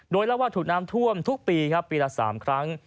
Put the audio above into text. โดยเล่าว่าถูกน้ำท่วมทุกปีครับปีละ๓ครั้ง